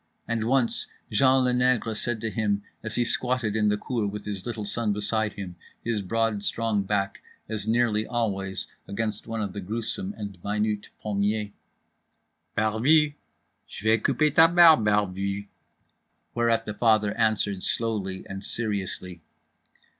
And once Jean Le Nègre said to him as he squatted in the cour with his little son beside him, his broad strong back as nearly always against one of the gruesome and minute pommiers— "Barbu! j'vais couper ta barbe, barbu!" Whereat the father answered slowly and seriously.